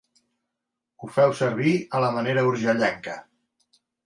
Ho feu servir a la manera urgellenca.